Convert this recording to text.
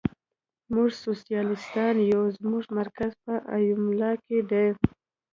موږ سوسیالیستان یو، زموږ مرکز په ایمولا کې دی.